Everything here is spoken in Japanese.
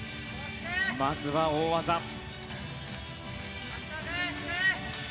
まずは大技。